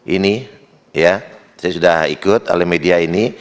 ini ya saya sudah ikut oleh media ini